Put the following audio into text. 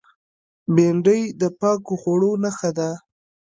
بېنډۍ د پاکو خوړو نخښه ده